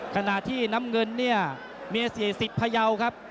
ขณะที่น้ำเงินเนี่ยเมียเสียสิทธิ์พยาวครับ